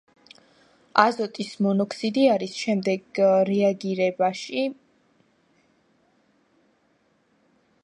აზოტის მონოქსიდი ამის შემდეგ რეაგირებს ჰაერში არსებულ ჟანგბადთან და წარმოქმნის აზოტის დიოქსიდს.